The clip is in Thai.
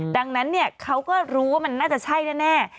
ดังนั้นเขาก็รู้ว่ามันน่าจะใช่แน่